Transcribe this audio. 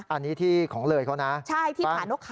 อันนี้ที่ของเร่ยเขานะใช่ที่ผานกเขาภูกรดึง